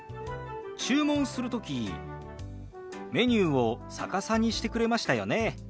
注文する時メニューを逆さにしてくれましたよね。